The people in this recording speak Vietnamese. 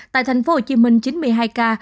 tại tp hcm chín mươi hai ca